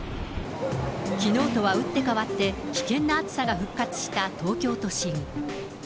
きのうとは打って変わって危険な暑さが復活した東京都心。